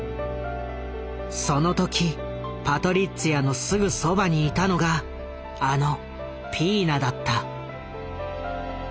その時パトリッツィアのすぐそばにいたのがあのピーナだった。